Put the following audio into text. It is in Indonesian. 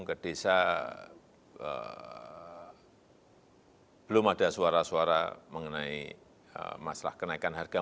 ke desa belum ada suara suara mengenai masalah kenaikan harga